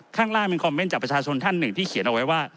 ข้างล่างมีคอมเมนต์จากประชาชนท่านหนึ่งที่เขียนเอาไว้ว่า